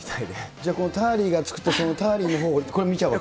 じゃあ、このターリーが作った、ターリーのほうを、これ見ちゃうわけ？